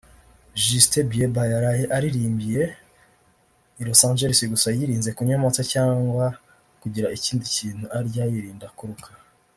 Justin Bieber yaraye aririmbiye i Los Angeless gusa yirinze kunywa amata cyangwa kugira ikindi kintu arya yirinda kuruka